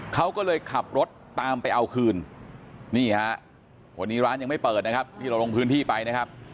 เขาก็เลยขับรถตามไปเอาคืนนี่ฮะวันนี้ร้านยังไม่เปิดนะครับที่เราลงพื้นที่ไปนะครับ